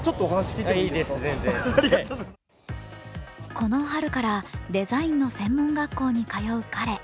この春からデザインの専門学校に通う彼。